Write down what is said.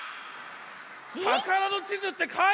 「たからのちず」ってかいてある！